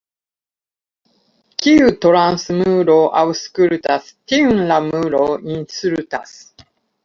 Kiu trans muro aŭskultas, tiun la muro insultas.